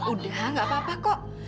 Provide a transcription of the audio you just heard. udah gak apa apa kok